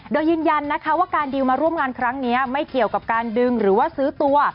โดยยืนยันนะคะว่าการดิวมาร่วมงานครั้งนี้ไม่เกี่ยวกับการดึงหรือว่าซื้อตัว